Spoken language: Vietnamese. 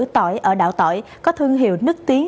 tỏi ở đảo tỏi có thương hiệu nức tiến